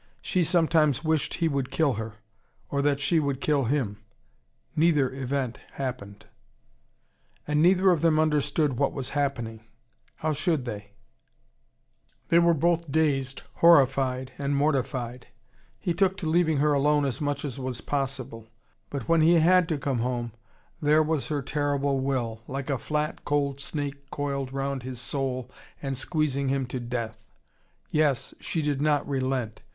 She sometimes wished he would kill her: or that she would kill him. Neither event happened. And neither of them understood what was happening. How should they? They were both dazed, horrified, and mortified. He took to leaving her alone as much as was possible. But when he had to come home, there was her terrible will, like a flat, cold snake coiled round his soul and squeezing him to death. Yes, she did not relent.